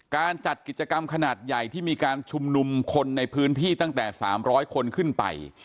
การจัดกิจกรรมขนาดใหญ่ที่มีการชุมนุมคนในพื้นที่ตั้งแต่๓๐๐คนขึ้นไป